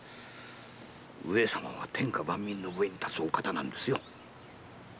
上様は天下万民の上に立つお方なんですよ。